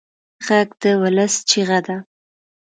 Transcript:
غږ د ولس چیغه ده